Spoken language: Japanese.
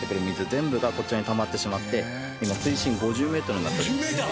全部がこちらにたまってしまって今水深５０メートルになっております。